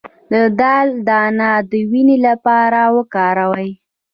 د دال دانه د وینې لپاره وکاروئ